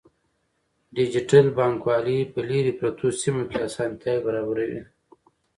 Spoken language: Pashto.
ډیجیټل بانکوالي په لیرې پرتو سیمو کې اسانتیاوې برابروي.